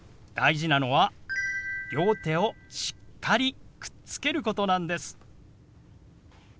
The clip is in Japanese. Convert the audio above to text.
大事なのは両手をしっかりくっつけることなんです。